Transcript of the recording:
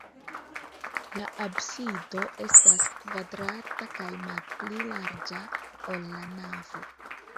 La absido estas kvadrata kaj malpli larĝa, ol la navo.